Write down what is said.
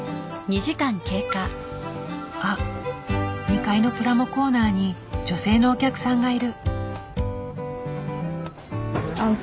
あっ２階のプラモコーナーに女性のお客さんがいる。